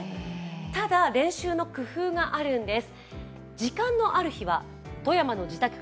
ただ練習の工夫があるそうなんです。